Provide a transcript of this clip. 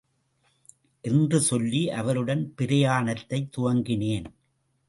என்று சொல்லி அவருடன் பிரயாணத்தைத் துவங்கினேன்.